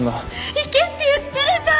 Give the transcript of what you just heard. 行けって言ってるじゃん！